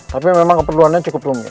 tapi memang keperluan nya cukup lumit